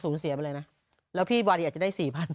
สูงเสียไปเลยนะแล้วพี่วันนี้อาจจะได้สี่พัน